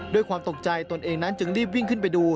ด้วยความตกใจตนเองนั้นจึงรีบวิ่งขึ้นไปดู